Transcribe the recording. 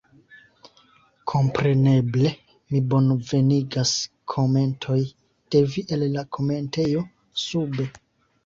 Kompreneble, mi bonvenigas komentoj de vi el la komentejo sube